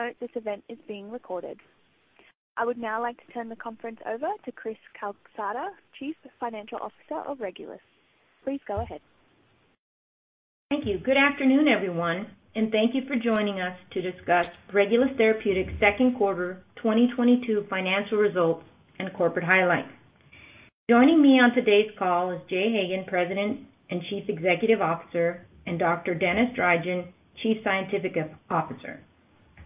Please note this event is being recorded. I would now like to turn the conference over to Cris Calsada, Chief Financial Officer of Regulus. Please go ahead. Thank you. Good afternoon, everyone, and thank you for joining us to discuss Regulus Therapeutics' second quarter 2022 financial results and corporate highlights. Joining me on today's call is Jay Hagan, President and Chief Executive Officer, and Dr. Denis Drygin, Chief Scientific Officer.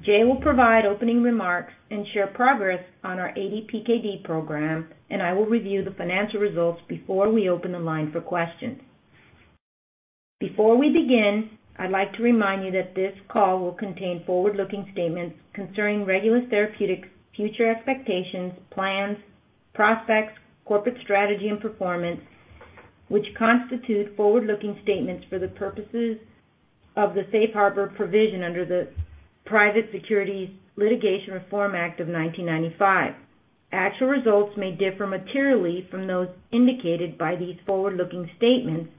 Jay will provide opening remarks and share progress on our ADPKD program, and I will review the financial results before we open the line for questions. Before we begin, I'd like to remind you that this call will contain forward-looking statements concerning Regulus Therapeutics' future expectations, plans, prospects, corporate strategy, and performance, which constitute forward-looking statements for the purposes of the Safe Harbor provision under the Private Securities Litigation Reform Act of 1995. Actual results may differ materially from those indicated by these forward-looking statements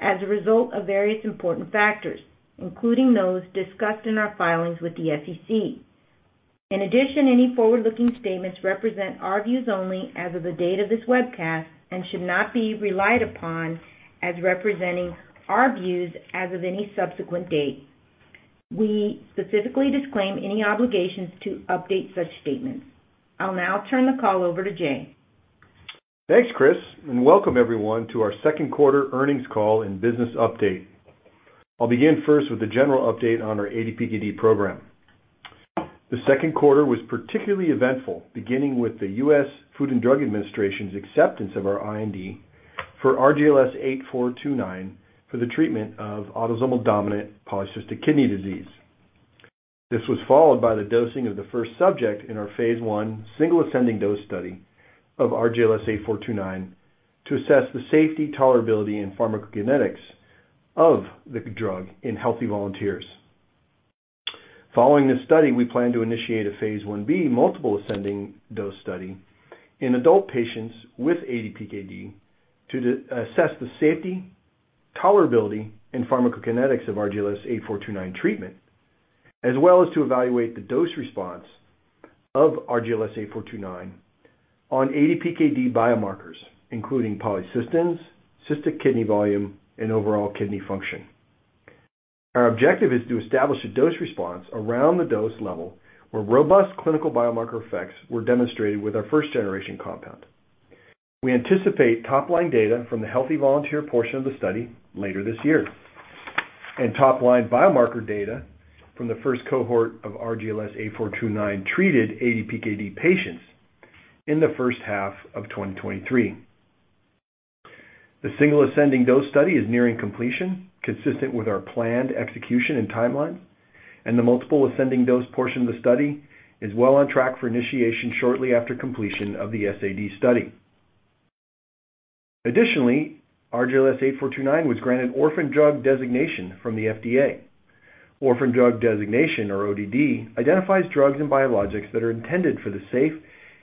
as a result of various important factors, including those discussed in our filings with the SEC. In addition, any forward-looking statements represent our views only as of the date of this webcast and should not be relied upon as representing our views as of any subsequent date. We specifically disclaim any obligations to update such statements. I'll now turn the call over to Jay. Thanks, Cris, and welcome everyone to our second quarter earnings call and business update. I'll begin first with a general update on our ADPKD program. The second quarter was particularly eventful, beginning with the U.S. Food and Drug Administration's acceptance of our IND for RGLS8429 for the treatment of autosomal dominant polycystic kidney disease. This was followed by the dosing of the first subject in our phase 1 single ascending dose study of RGLS8429 to assess the safety, tolerability, and pharmacokinetics of the drug in healthy volunteers. Following this study, we plan to initiate a phase I-B multiple ascending dose study in adult patients with ADPKD to assess the safety, tolerability, and pharmacokinetics of RGLS8429 treatment, as well as to evaluate the dose response of RGLS8429 on ADPKD biomarkers, including polycystins, cystic kidney volume, and overall kidney function. Our objective is to establish a dose response around the dose level where robust clinical biomarker effects were demonstrated with our first-generation compound. We anticipate top-line data from the healthy volunteer portion of the study later this year, and top-line biomarker data from the first cohort of RGLS8429-treated ADPKD patients in the first half of 2023. The single ascending dose study is nearing completion, consistent with our planned execution and timeline, and the multiple ascending dose portion of the study is well on track for initiation shortly after completion of the SAD study. Additionally, RGLS8429 was granted orphan drug designation from the FDA. Orphan drug designation, or ODD, identifies drugs and biologics that are intended for the safe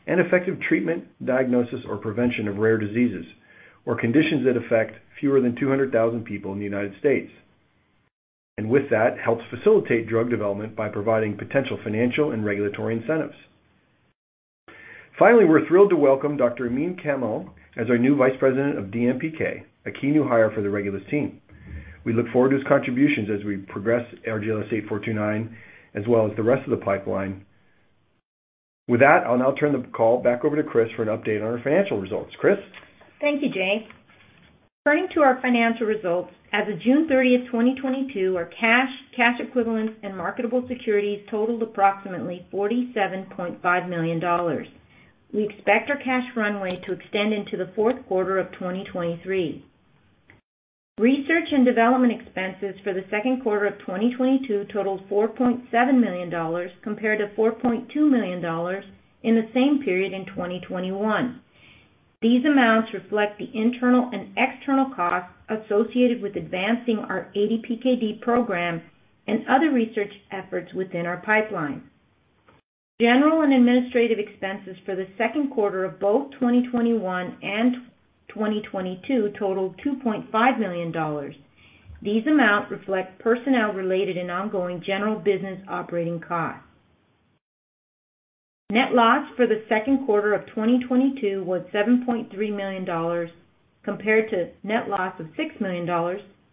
and effective treatment, diagnosis, or prevention of rare diseases, or conditions that affect fewer than 200,000 people in the United States. With that, helps facilitate drug development by providing potential financial and regulatory incentives. Finally, we're thrilled to welcome Dr. Amin Kamel as our new Vice President of DMPK, a key new hire for the Regulus team. We look forward to his contributions as we progress our RGLS8429, as well as the rest of the pipeline. With that, I'll now turn the call back over to Cris for an update on our financial results. Cris? Thank you, Jay. Turning to our financial results, as of June 30, 2022, our cash equivalents, and marketable securities totaled approximately $47.5 million. We expect our cash runway to extend into the fourth quarter of 2023. Research and development expenses for the second quarter of 2022 totaled $4.7 million compared to $4.2 million in the same period in 2021. These amounts reflect the internal and external costs associated with advancing our ADPKD program and other research efforts within our pipeline. General and administrative expenses for the second quarter of both 2021 and 2022 totaled $2.5 million. These amounts reflect personnel related and ongoing general business operating costs. Net loss for the second quarter of 2022 was $7.3 million compared to net loss of $6 million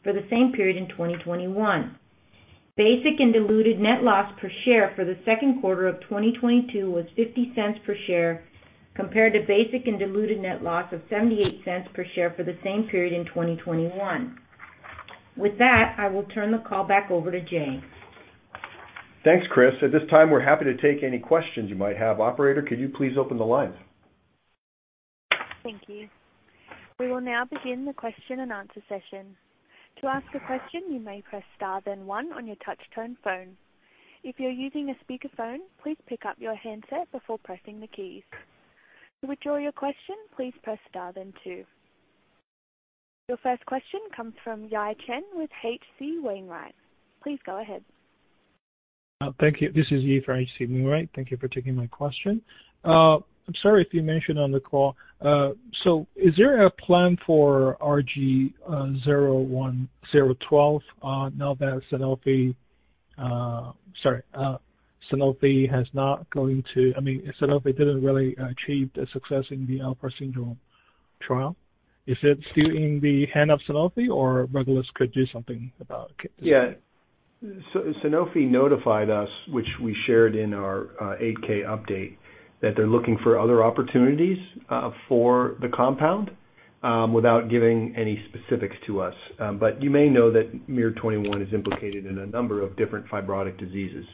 for the same period in 2021. Basic and diluted net loss per share for the second quarter of 2022 was $0.50 per share compared to basic and diluted net loss of $0.78 per share for the same period in 2021. With that, I will turn the call back over to Jay. Thanks, Cris. At this time, we're happy to take any questions you might have. Operator, could you please open the lines? Thank you. We will now begin the question and answer session. To ask a question, you may press star then one on your touch-tone phone. If you're using a speakerphone, please pick up your handset before pressing the keys. To withdraw your question, please press star then two. Your first question comes from Yi Chen with H.C. Wainwright. Please go ahead. Thank you. This is Yi for H.C. Wainwright. Thank you for taking my question. I'm sorry if you mentioned on the call. Is there a plan for RG-012? I mean, Sanofi didn't really achieve the success in the Alport syndrome trial. Is it still in the hand of Sanofi or Regulus could do something about it? Yeah. Sanofi notified us, which we shared in our 8-K update, that they're looking for other opportunities for the compound, without giving any specifics to us. You may know that miR-21 is implicated in a number of different fibrotic diseases.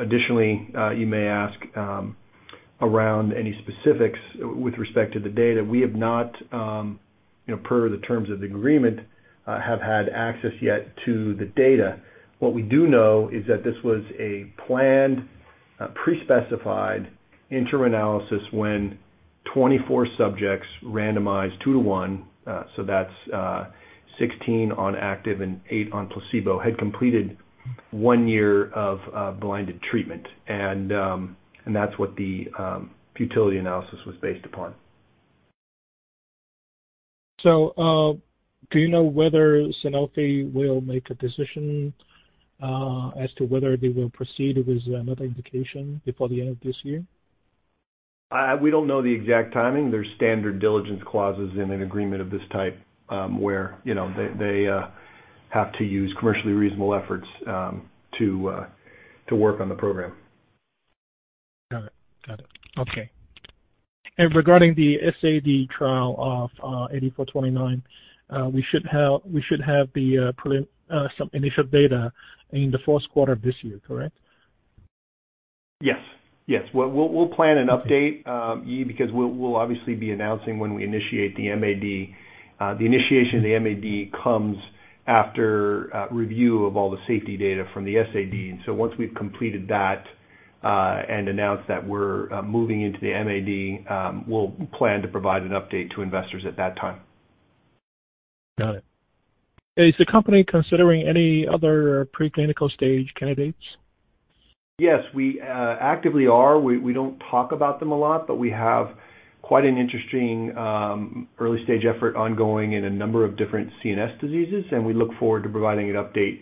Additionally, you may ask around any specifics with respect to the data. We have not, you know, per the terms of the agreement, have had access yet to the data. What we do know is that this was a planned, pre-specified interim analysis when 24 subjects randomized two to one, so that's 16 on active and eight on placebo, had completed one year of blinded treatment. That's what the futility analysis was based upon. Do you know whether Sanofi will make a decision as to whether they will proceed with another indication before the end of this year? We don't know the exact timing. There's standard diligence clauses in an agreement of this type, where, you know, they have to use commercially reasonable efforts to work on the program. Got it. Okay. Regarding the SAD trial of RGLS8429, we should have some initial data in the fourth quarter of this year, correct? Yes. We'll plan an update, Yi, because we'll obviously be announcing when we initiate the MAD. The initiation of the MAD comes after review of all the safety data from the SAD. Once we've completed that and announced that we're moving into the MAD, we'll plan to provide an update to investors at that time. Got it. Is the company considering any other preclinical stage candidates? Yes, we actively are. We don't talk about them a lot, but we have quite an interesting early stage effort ongoing in a number of different CNS diseases, and we look forward to providing an update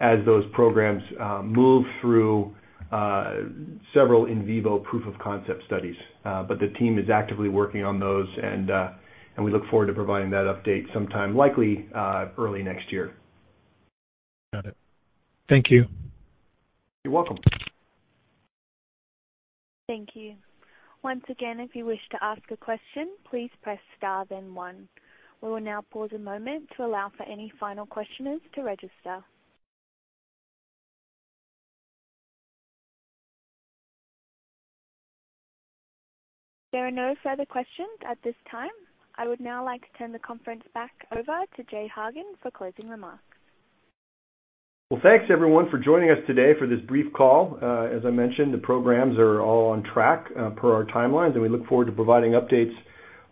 as those programs move through several in vivo proof of concept studies. But the team is actively working on those, and we look forward to providing that update sometime, likely early next year. Got it. Thank you. You're welcome. Thank you. Once again, if you wish to ask a question, please press star then one. We will now pause a moment to allow for any final questioners to register. There are no further questions at this time. I would now like to turn the conference back over to Jay Hagan for closing remarks. Well, thanks everyone for joining us today for this brief call. As I mentioned, the programs are all on track per our timelines, and we look forward to providing updates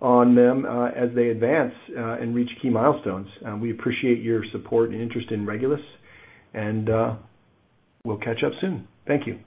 on them and reach key milestones. We appreciate your support and interest in Regulus and we'll catch up soon. Thank you.